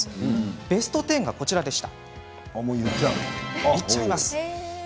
ベスト１０がこちらでした。